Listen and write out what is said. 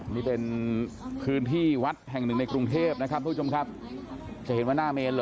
นี่เป็นพื้นที่วัดแห่งหนึ่งในกรุงเทพนะครับผู้ชมครับจะเห็นว่า